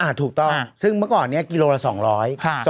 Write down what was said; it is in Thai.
ถูกต้องซึ่งเมื่อก่อนนี้กิโลละ๒๐๐บาท